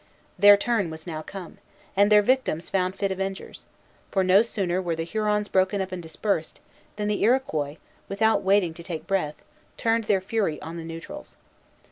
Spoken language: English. Their turn was now come, and their victims found fit avengers; for no sooner were the Hurons broken up and dispersed, than the Iroquois, without waiting to take breath, turned their fury on the Neutrals.